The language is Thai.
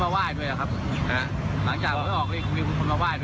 หลังจากวันออกก็ยังมีคนมาว่าย